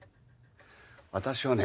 私はね